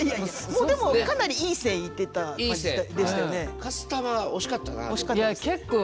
もうでもかなりいい線いってた感じでしたよね。